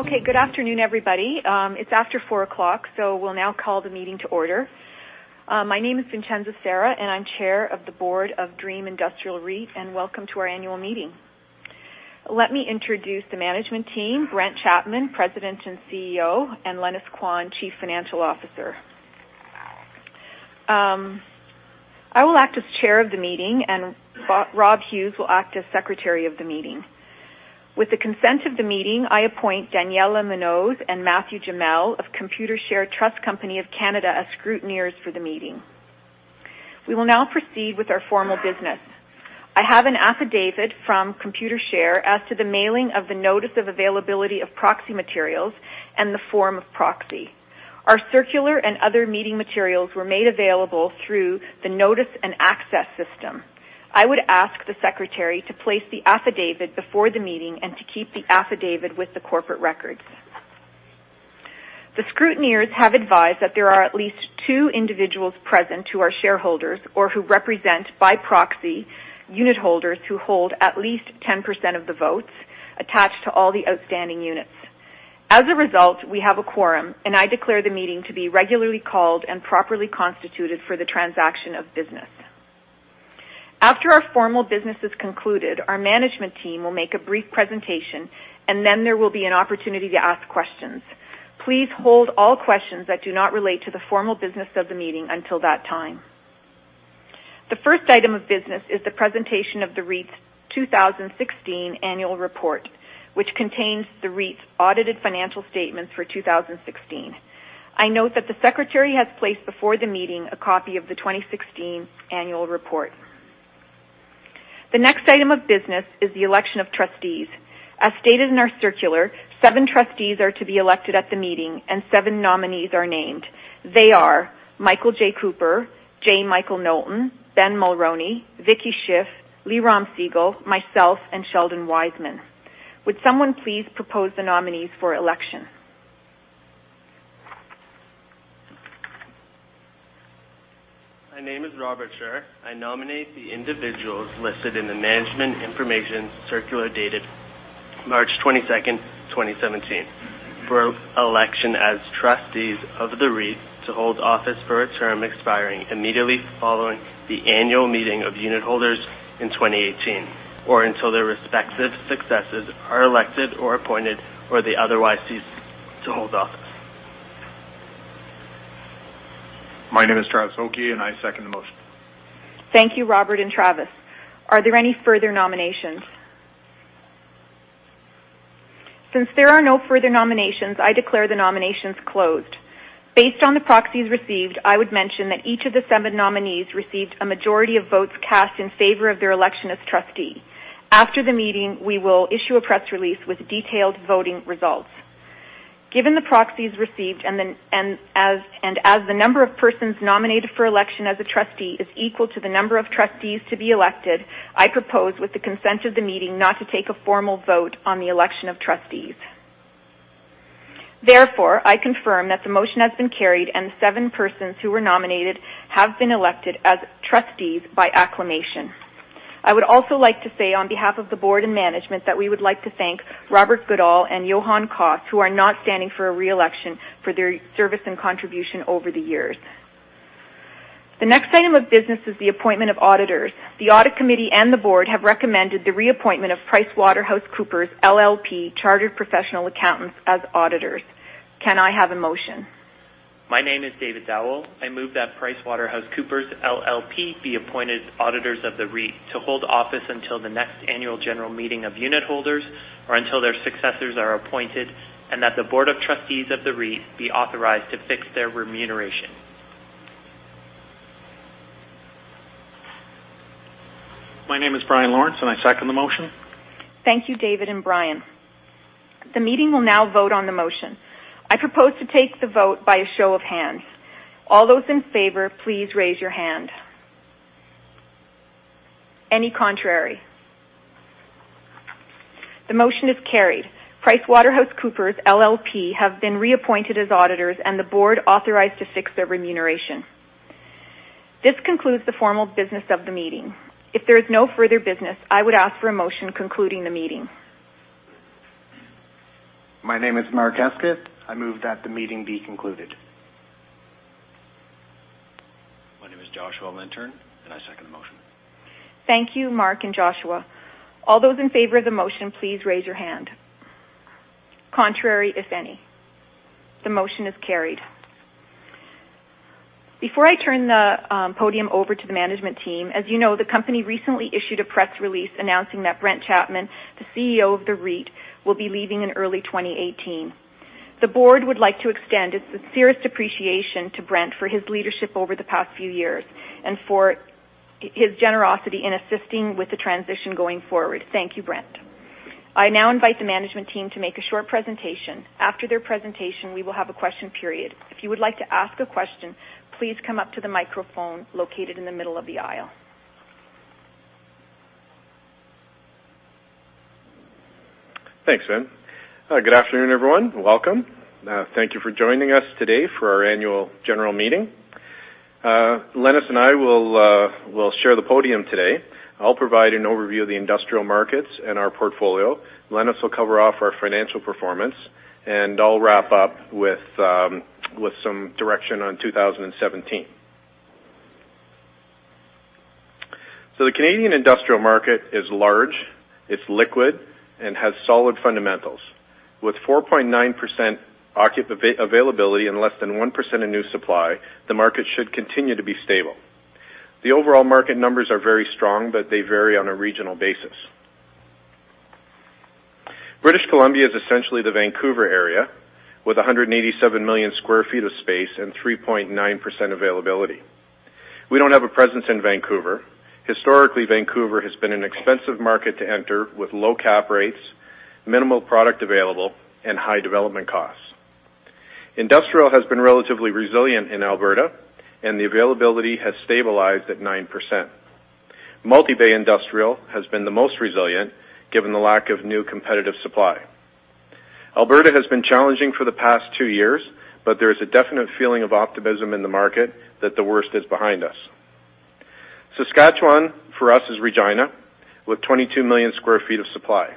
Good afternoon, everybody. It's after 4:00, we'll now call the meeting to order. My name is Vincenza Sera, I'm Chair of the Board of Dream Industrial REIT, welcome to our annual meeting. Let me introduce the management team, Brent Chapman, President and CEO, and Lenis Quan, Chief Financial Officer. I will act as chair of the meeting. Robert Hughes will act as secretary of the meeting. With the consent of the meeting, I appoint Daniela Munoz and Matthew Jamell of Computershare Trust Company of Canada as scrutineers for the meeting. We will now proceed with our formal business. I have an affidavit from Computershare as to the mailing of the notice of availability of proxy materials and the form of proxy. Our circular and other meeting materials were made available through the notice and access system. I would ask the secretary to place the affidavit before the meeting to keep the affidavit with the corporate records. The scrutineers have advised that there are at least 2 individuals present who are shareholders or who represent by proxy unitholders who hold at least 10% of the votes attached to all the outstanding units. As a result, we have a quorum. I declare the meeting to be regularly called and properly constituted for the transaction of business. After our formal business is concluded, our management team will make a brief presentation. There will be an opportunity to ask questions. Please hold all questions that do not relate to the formal business of the meeting until that time. The first item of business is the presentation of the REIT's 2016 annual report, which contains the REIT's audited financial statements for 2016. I note that the secretary has placed before the meeting a copy of the 2016 annual report. The next item of business is the election of trustees. As stated in our circular, 7 trustees are to be elected at the meeting. 7 nominees are named. They are Michael J. Cooper, J. Michael Knowlton, Ben Mulroney, Vicky Schiff, Leerom Segal, myself, and Sheldon Wiseman. Would someone please propose the nominees for election? My name is Robert Schur. I nominate the individuals listed in the management information circular dated March 22nd, 2017, for election as trustees of the REIT to hold office for a term expiring immediately following the annual meeting of unitholders in 2018 or until their respective successors are elected or appointed or they otherwise cease to hold office. My name is Travis Oakey, and I second the motion. Thank you, Robert and Travis. Are there any further nominations? Since there are no further nominations, I declare the nominations closed. Based on the proxies received, I would mention that each of the seven nominees received a majority of votes cast in favor of their election as trustee. After the meeting, we will issue a press release with detailed voting results. Given the proxies received and as the number of persons nominated for election as a trustee is equal to the number of trustees to be elected, I propose with the consent of the meeting not to take a formal vote on the election of trustees. Therefore, I confirm that the motion has been carried and the seven persons who were nominated have been elected as trustees by acclamation. I would also like to say on behalf of the board and management that we would like to thank Robert Goodall and Johan Koss, who are not standing for a re-election, for their service and contribution over the years. The next item of business is the appointment of auditors. The audit committee and the board have recommended the reappointment of PricewaterhouseCoopers LLP Chartered Professional Accountants as auditors. Can I have a motion? My name is David Dowell. I move that PricewaterhouseCoopers LLP be appointed auditors of the REIT to hold office until the next annual general meeting of unitholders or until their successors are appointed and that the Board of Trustees of the REIT be authorized to fix their remuneration. My name is Brian Lawrence, and I second the motion. Thank you, David and Brian. The meeting will now vote on the motion. I propose to take the vote by a show of hands. All those in favor, please raise your hand. Any contrary? The motion is carried. PricewaterhouseCoopers LLP have been reappointed as auditors and the board authorized to fix their remuneration. This concludes the formal business of the meeting. If there is no further business, I would ask for a motion concluding the meeting. My name is Mark Eskes. I move that the meeting be concluded. My name is Joshua Linter, and I second the motion. Thank you, Mark Eskes and Joshua Linter. All those in favor of the motion, please raise your hand. Contrary, if any. The motion is carried. Before I turn the podium over to the management team, as you know, the company recently issued a press release announcing that Brent Chapman, the CEO of the REIT, will be leaving in early 2018. The board would like to extend its sincerest appreciation to Brent for his leadership over the past few years and for his generosity in assisting with the transition going forward. Thank you, Brent. I now invite the management team to make a short presentation. After their presentation, we will have a question period. If you would like to ask a question, please come up to the microphone located in the middle of the aisle. Thanks, Vin. Good afternoon, everyone. Welcome. Thank you for joining us today for our annual general meeting. Lenis and I will share the podium today. I'll provide an overview of the industrial markets and our portfolio. Lenis will cover off our financial performance. I'll wrap up with some direction on 2017. The Canadian industrial market is large, it's liquid, and has solid fundamentals. With 4.9% availability and less than 1% in new supply, the market should continue to be stable. The overall market numbers are very strong, but they vary on a regional basis. British Columbia is essentially the Vancouver area with 187 million square feet of space and 3.9% availability. We don't have a presence in Vancouver. Historically, Vancouver has been an expensive market to enter, with low cap rates, minimal product available, and high development costs. Industrial has been relatively resilient in Alberta. The availability has stabilized at 9%. Multi-bay industrial has been the most resilient, given the lack of new competitive supply. Alberta has been challenging for the past two years, but there is a definite feeling of optimism in the market that the worst is behind us. Saskatchewan, for us, is Regina, with 22 million square feet of supply.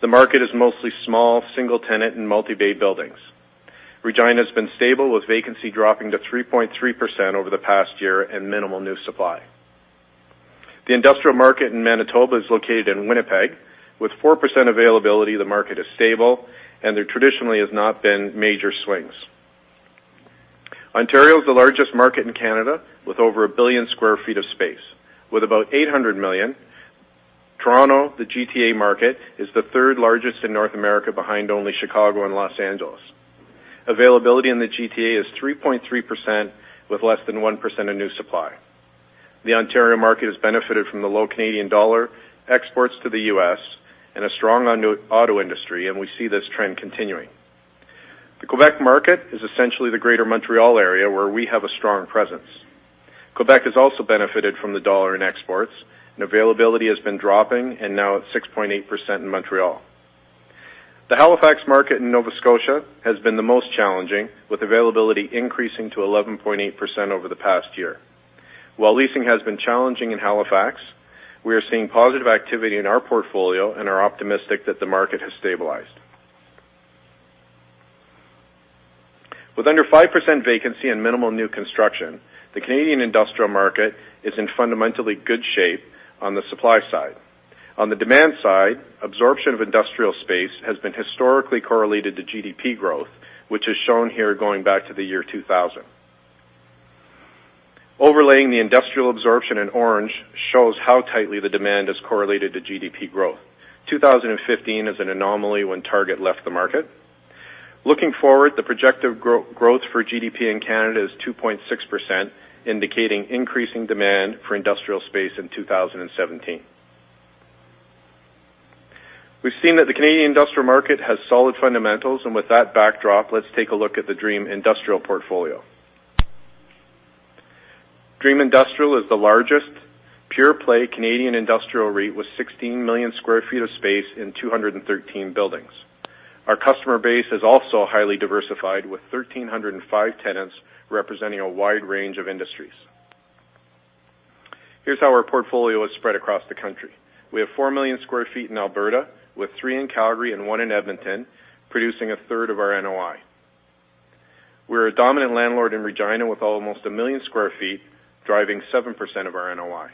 The market is mostly small, single-tenant, and multi-bay buildings. Regina has been stable, with vacancy dropping to 3.3% over the past year and minimal new supply. The industrial market in Manitoba is located in Winnipeg. With 4% availability, the market is stable. There traditionally have not been major swings. Ontario is the largest market in Canada, with over 1 billion square feet of space. With about 800 million, Toronto, the GTA market, is the third-largest in North America, behind only Chicago and Los Angeles. Availability in the GTA is 3.3%, with less than 1% in new supply. The Ontario market has benefited from the low Canadian dollar exports to the U.S. and a strong auto industry. We see this trend continuing. The Quebec market is essentially the greater Montreal area, where we have a strong presence. Quebec has also benefited from the dollar in exports. Availability has been dropping and now at 6.8% in Montreal. The Halifax market in Nova Scotia has been the most challenging, with availability increasing to 11.8% over the past year. While leasing has been challenging in Halifax, we are seeing positive activity in our portfolio and are optimistic that the market has stabilized. With under 5% vacancy and minimal new construction, the Canadian industrial market is in fundamentally good shape on the supply side. On the demand side, absorption of industrial space has been historically correlated to GDP growth, which is shown here going back to the year 2000. Overlaying the industrial absorption in orange shows how tightly the demand is correlated to GDP growth. 2015 is an anomaly when Target left the market. Looking forward, the projected growth for GDP in Canada is 2.6%, indicating increasing demand for industrial space in 2017. We've seen that the Canadian industrial market has solid fundamentals, and with that backdrop, let's take a look at the Dream Industrial portfolio. Dream Industrial is the largest pure-play Canadian industrial REIT with 16 million sq ft of space in 213 buildings. Our customer base is also highly diversified, with 1,305 tenants representing a wide range of industries. Here's how our portfolio is spread across the country. We have 4 million sq ft in Alberta, with 3 in Calgary and 1 in Edmonton, producing a third of our NOI. We're a dominant landlord in Regina with almost 1 million sq ft, driving 7% of our NOI.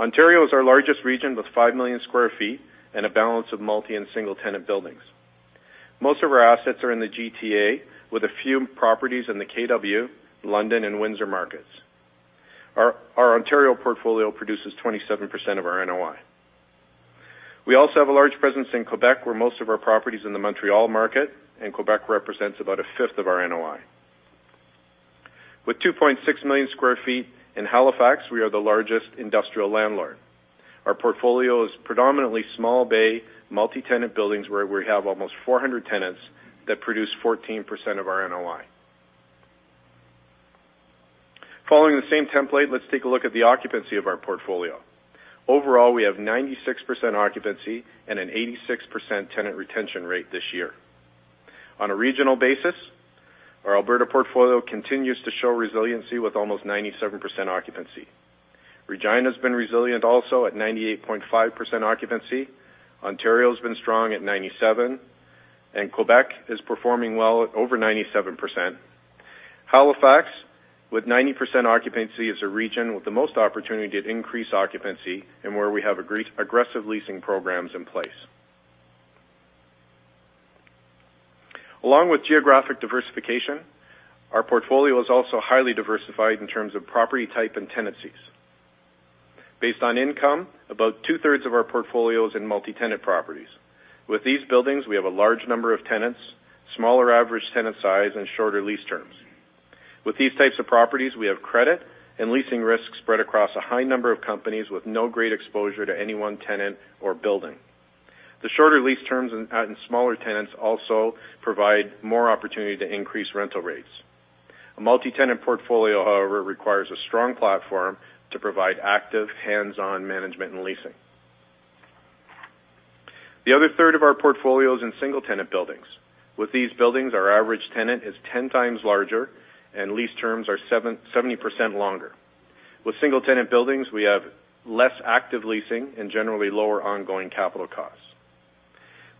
Ontario is our largest region, with 5 million sq ft and a balance of multi and single-tenant buildings. Most of our assets are in the GTA, with a few properties in the KW, London, and Windsor markets. Our Ontario portfolio produces 27% of our NOI. We also have a large presence in Quebec, where most of our properties are in the Montreal market, and Quebec represents about a fifth of our NOI. With 2.6 million sq ft in Halifax, we are the largest industrial landlord. Our portfolio is predominantly small-bay, multi-tenant buildings where we have almost 400 tenants that produce 14% of our NOI. Following the same template, let's take a look at the occupancy of our portfolio. Overall, we have 96% occupancy and an 86% tenant retention rate this year. On a regional basis, our Alberta portfolio continues to show resiliency with almost 97% occupancy. Regina has been resilient also at 98.5% occupancy. Ontario has been strong at 97%, and Quebec is performing well at over 97%. Halifax, with 90% occupancy, is a region with the most opportunity to increase occupancy and where we have aggressive leasing programs in place. Along with geographic diversification, our portfolio is also highly diversified in terms of property type and tenancies. Based on income, about two-thirds of our portfolio is in multi-tenant properties. With these buildings, we have a large number of tenants, smaller average tenant size, and shorter lease terms. With these types of properties, we have credit and leasing risk spread across a high number of companies with no great exposure to any one tenant or building. The shorter lease terms and smaller tenants also provide more opportunity to increase rental rates. A multi-tenant portfolio, however, requires a strong platform to provide active, hands-on management and leasing. The other third of our portfolio is in single-tenant buildings. With these buildings, our average tenant is 10 times larger, and lease terms are 70% longer. With single-tenant buildings, we have less active leasing and generally lower ongoing capital costs.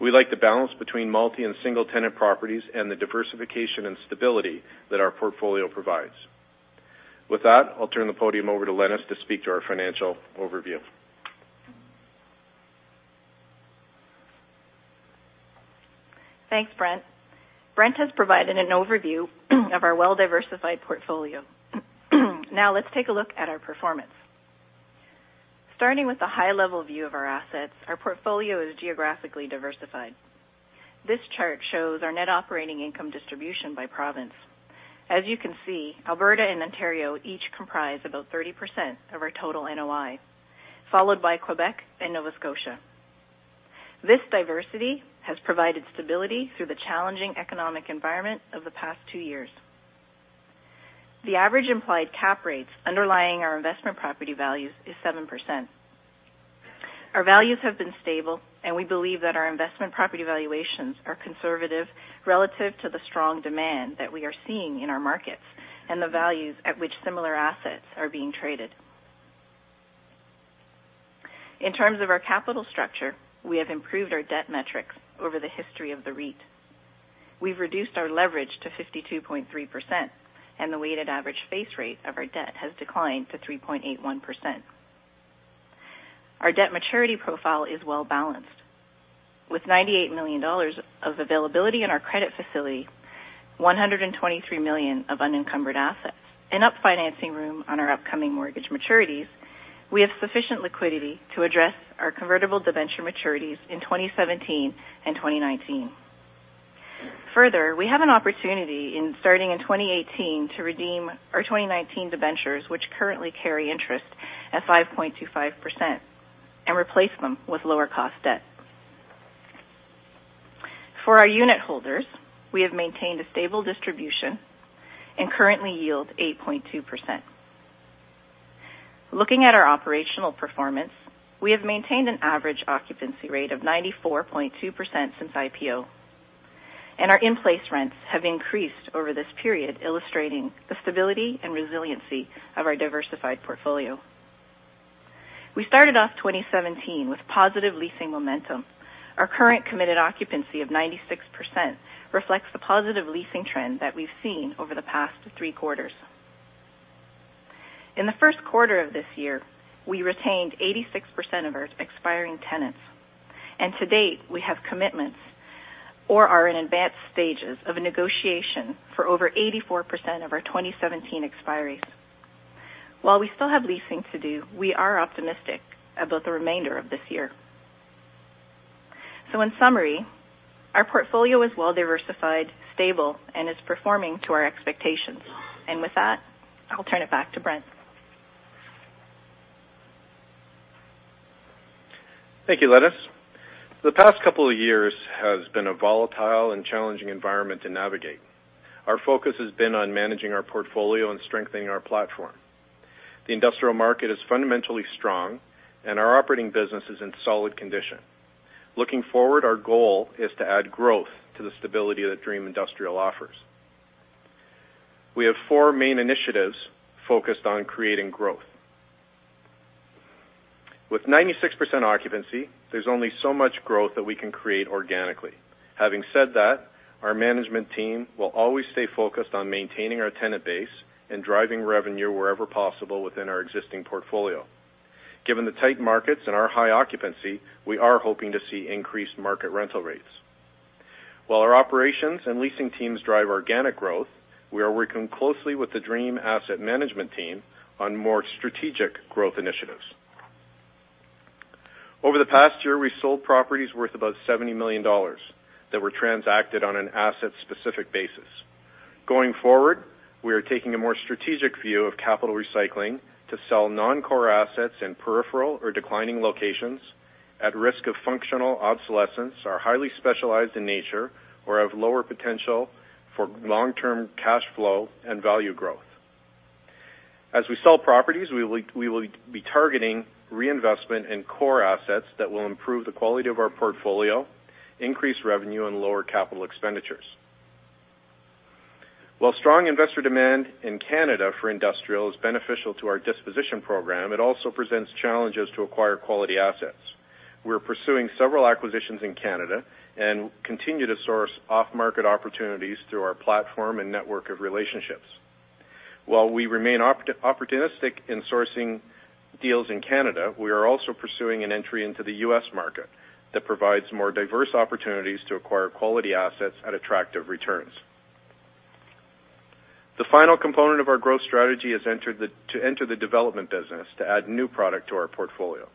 We like the balance between multi and single-tenant properties and the diversification and stability that our portfolio provides. With that, I'll turn the podium over to Lenis to speak to our financial overview. Thanks, Brent. Brent has provided an overview of our well-diversified portfolio. Let's take a look at our performance. Starting with the high-level view of our assets, our portfolio is geographically diversified. This chart shows our net operating income distribution by province. As you can see, Alberta and Ontario each comprise about 30% of our total NOI, followed by Quebec and Nova Scotia. This diversity has provided stability through the challenging economic environment of the past two years. The average implied cap rates underlying our investment property values is 7%. Our values have been stable, and we believe that our investment property valuations are conservative relative to the strong demand that we are seeing in our markets and the values at which similar assets are being traded. In terms of our capital structure, we have improved our debt metrics over the history of the REIT. We've reduced our leverage to 52.3%, and the weighted average base rate of our debt has declined to 3.81%. Our debt maturity profile is well-balanced. With 98 million dollars of availability in our credit facility, 123 million of unencumbered assets, and up financing room on our upcoming mortgage maturities, we have sufficient liquidity to address our convertible debenture maturities in 2017 and 2019. We have an opportunity starting in 2018, to redeem our 2019 debentures, which currently carry interest at 5.25%, and replace them with lower-cost debt. For our unit holders, we have maintained a stable distribution and currently yield 8.2%. Looking at our operational performance, we have maintained an average occupancy rate of 94.2% since IPO, and our in-place rents have increased over this period, illustrating the stability and resiliency of our diversified portfolio. We started off 2017 with positive leasing momentum. Our current committed occupancy of 96% reflects the positive leasing trend that we've seen over the past three quarters. In the first quarter of this year, we retained 86% of our expiring tenants, and to date, we have commitments or are in advanced stages of a negotiation for over 84% of our 2017 expiries. While we still have leasing to do, we are optimistic about the remainder of this year. In summary, our portfolio is well-diversified, stable, and is performing to our expectations. With that, I'll turn it back to Brent. Thank you, Lenis. The past couple of years has been a volatile and challenging environment to navigate. Our focus has been on managing our portfolio and strengthening our platform. The industrial market is fundamentally strong, and our operating business is in solid condition. Looking forward, our goal is to add growth to the stability that Dream Industrial offers. We have four main initiatives focused on creating growth. With 96% occupancy, there's only so much growth that we can create organically. Having said that, our management team will always stay focused on maintaining our tenant base and driving revenue wherever possible within our existing portfolio. Given the tight markets and our high occupancy, we are hoping to see increased market rental rates. While our operations and leasing teams drive organic growth, we are working closely with the Dream Asset Management team on more strategic growth initiatives. Over the past year, we sold properties worth about 70 million dollars that were transacted on an asset-specific basis. Going forward, we are taking a more strategic view of capital recycling to sell non-core assets in peripheral or declining locations at risk of functional obsolescence, are highly specialized in nature, or have lower potential for long-term cash flow and value growth. As we sell properties, we will be targeting reinvestment in core assets that will improve the quality of our portfolio, increase revenue, and lower capital expenditures. While strong investor demand in Canada for industrial is beneficial to our disposition program, it also presents challenges to acquire quality assets. We're pursuing several acquisitions in Canada and continue to source off-market opportunities through our platform and network of relationships. While we remain opportunistic in sourcing deals in Canada, we are also pursuing an entry into the U.S. market that provides more diverse opportunities to acquire quality assets at attractive returns. The final component of our growth strategy is to enter the development business to add new product to our portfolio.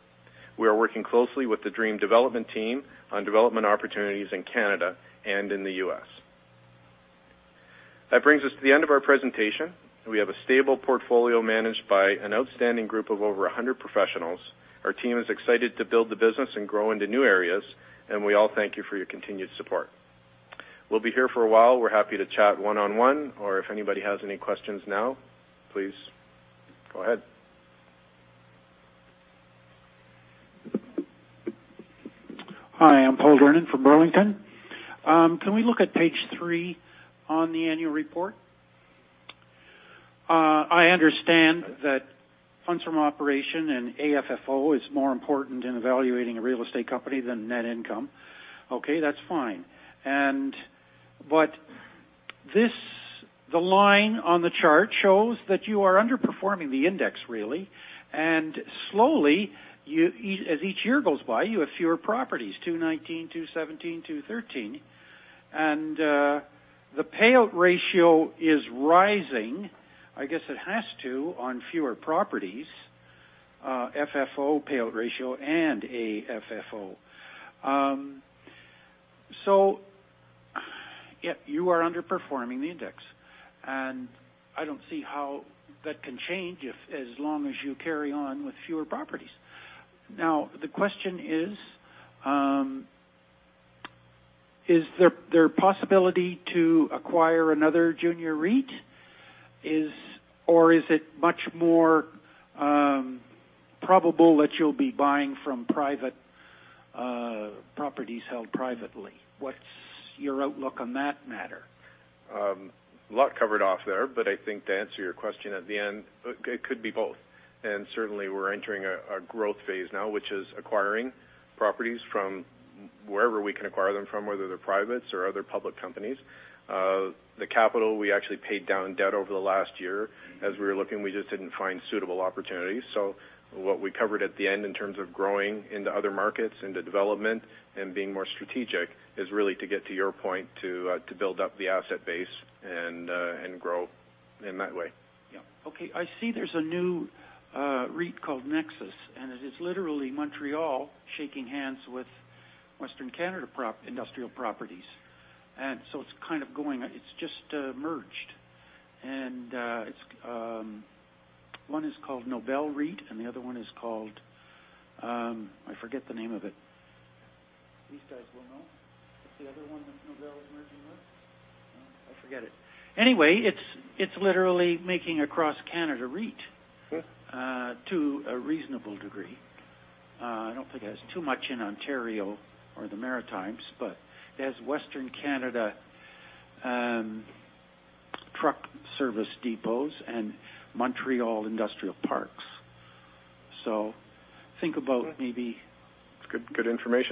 We are working closely with the Dream Development team on development opportunities in Canada and in the U.S. That brings us to the end of our presentation. We have a stable portfolio managed by an outstanding group of over 100 professionals. Our team is excited to build the business and grow into new areas, and we all thank you for your continued support. We'll be here for a while. We're happy to chat one-on-one, or if anybody has any questions now, please go ahead. Hi, I'm Paul Vernon from Burlington. Can we look at page three on the annual report? I understand that funds from operation and AFFO is more important in evaluating a real estate company than net income. Okay, that's fine. The line on the chart shows that you are underperforming the index, really. Slowly, as each year goes by, you have fewer properties, 219, 217, 213. The payout ratio is rising, I guess it has to, on fewer properties, FFO payout ratio and AFFO. Yet you are underperforming the index, and I don't see how that can change as long as you carry on with fewer properties. The question is there possibility to acquire another junior REIT, or is it much more probable that you'll be buying from private properties held privately? What's your outlook on that matter? A lot covered off there. I think to answer your question at the end, it could be both. Certainly, we're entering a growth phase now, which is acquiring properties from wherever we can acquire them from, whether they're privates or other public companies. The capital, we actually paid down debt over the last year. As we were looking, we just didn't find suitable opportunities. What we covered at the end in terms of growing into other markets, into development, and being more strategic, is really to get to your point to build up the asset base and grow in that way. Yeah. Okay, I see there's a new REIT called Nexus, and it is literally Montreal shaking hands with Western Canada Industrial Properties. It's just merged, and one is called Nobel REIT, and the other one is called I forget the name of it. These guys will know. What's the other one that Nobel is merging with? I forget it. It's literally making across Canada REIT- Okay. -to a reasonable degree. I don't think it has too much in Ontario or the Maritimes, but it has Western Canada truck service depots and Montreal industrial parks. Think about maybe- It's good information